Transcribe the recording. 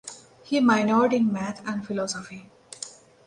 He minored in math and philosophy.